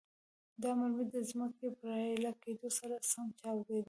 دا مرمۍ د ځمکې پر راایلې کېدو سره سم چاودیدلې.